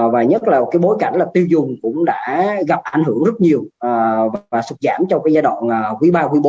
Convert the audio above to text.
và nhất là bối cảnh tiêu dùng cũng đã gặp ảnh hưởng rất nhiều và sụt giảm trong giai đoạn q ba q bốn